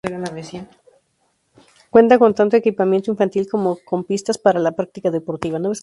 Cuenta tanto con equipamiento infantil como con pistas para la práctica deportiva.